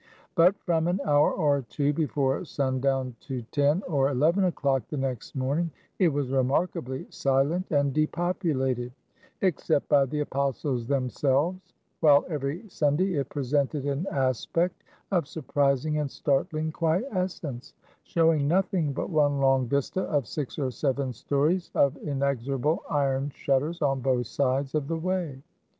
But from an hour or two before sundown to ten or eleven o'clock the next morning, it was remarkably silent and depopulated, except by the Apostles themselves; while every Sunday it presented an aspect of surprising and startling quiescence; showing nothing but one long vista of six or seven stories of inexorable iron shutters on both sides of the way.